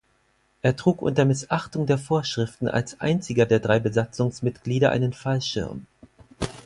Er trug unter Missachtung der Vorschriften als Einziger der drei Besatzungsmitglieder einen Fallschirm.